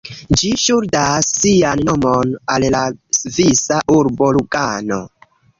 Ĝi ŝuldas sian nomon al la svisa urbo Lugano.